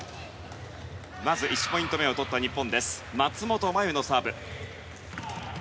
まず１ポイント目を取った日本です。